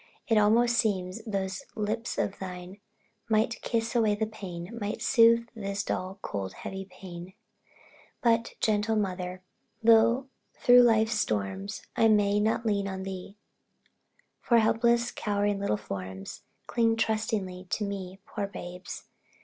It almost seems those lips of thine Might kiss away the pain might soothe This dull, cold, heavy pain. But, gentle Mother, through life's storms, I may not lean on thee, For helpless, cowering little forms Cling trustingly to me Poor babes!